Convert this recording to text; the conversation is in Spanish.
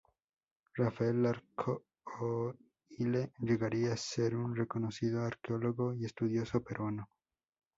Rafael Larco Hoyle llegaría a ser un reconocido arqueólogo y estudioso peruano.